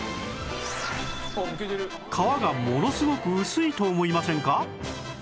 皮がものすごく薄いと思いませんか？